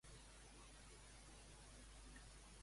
I quina a un cartell?